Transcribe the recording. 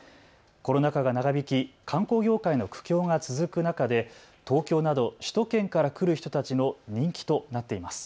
コロナ禍が長引き、観光業界の苦境が続く中で東京など首都圏から来る人たちの人気となっています。